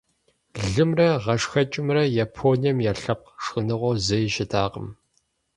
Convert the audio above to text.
Лымрэ гъэшхэкӀымрэ Японием я лъэпкъ шхыныгъуэу зэи щытакъым.